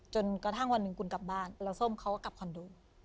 จนกระทั่งวันหนึ่งคุณกลับบ้านแล้วส้มเขาก็กลับคอนโด